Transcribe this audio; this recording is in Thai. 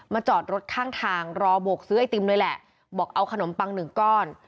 จอดรถข้างทางรอบซื้อไอติมเลยแหละบอกเอาขนมปังหนึ่งก้อน